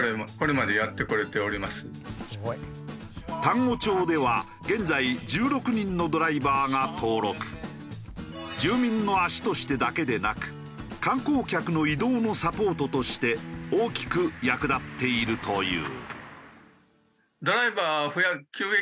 丹後町では住民の足としてだけでなく観光客の移動のサポートとして大きく役立っているという。